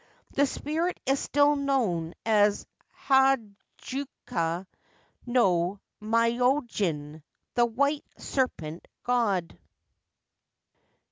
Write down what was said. The spirit is still known as Hakuja no Myojin, The White Serpent God.